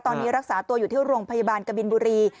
ตอนนี้รักษาตัวอยู่ที่โรงพยาบาลกบินบุรี